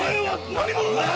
何者だよ！